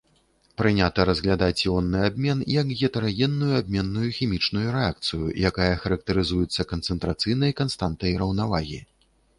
Прынята разглядаць іонны абмен як гетэрагенную абменную хімічную рэакцыю, якая характарызуецца канцэнтрацыйнай канстантай раўнавагі.